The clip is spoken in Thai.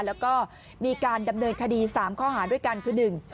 แล้วก็มีการดำเนินคดี๓ข้อหารด้วยกัน